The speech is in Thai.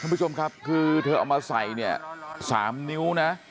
ท่านผู้จมครับคือเธอเอามาใส่๓นิ้วนะ